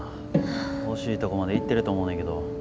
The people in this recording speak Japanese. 惜しいとこまでいってると思うねけど。